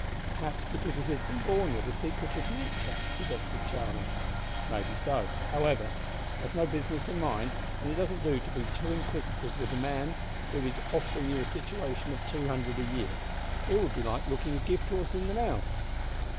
"Perhaps because he has been born with a secretive nature," suggested Charlie. "May be so. However, that's no business of mine, and it doesn't do to be too inquisitive when a man is offering you a situation of two hundred a year. It would be like looking a gift horse in the mouth.